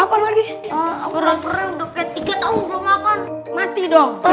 aduh udah keroncong kali